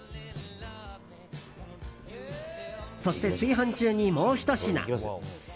そして、炊飯中にもうひと品。